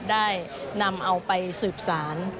ได้นำเอาไปสืบสาร